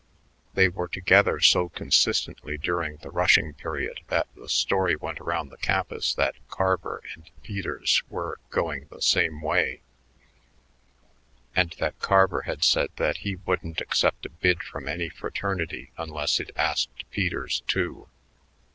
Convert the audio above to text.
They were together so consistently during the rushing period that the story went around the campus that Carver and Peters were "going the same way," and that Carver had said that he wouldn't accept a bid from any fraternity unless it asked Peters, too.